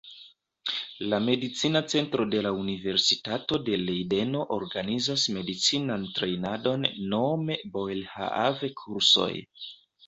La Medicina Centro de la Universitato de Lejdeno organizas medicinan trejnadon nome "Boerhaave-kursoj".